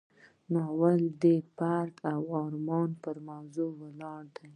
ناول د فردي ارمانونو پر موضوع ولاړ دی.